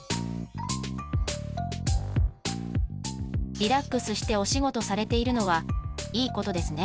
リラックスしてお仕事されているのはいいことですね。